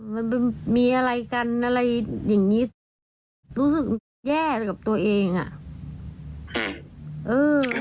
มันเป็นมีอะไรกันอะไรอย่างนี้รู้สึกแย่กับตัวเองอ่ะอืม